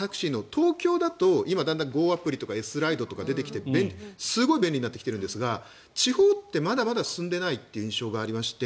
東京だと今、だんだんＧＯアプリとかエスライドとか出てきてすごい便利になってきているんですが地方ってまだまだ進んでいない印象がありまして